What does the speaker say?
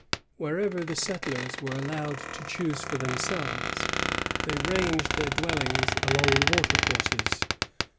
^ Wherever the settlers were allowed to choose for themselves, they ranged their dwellings along the watercourses.